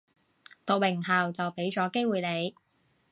讀名校就畀咗機會你